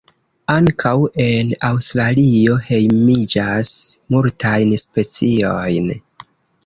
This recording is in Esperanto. Ankaŭ en Aŭstralio hejmiĝas multajn speciojn.